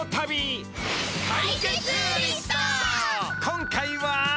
今回は。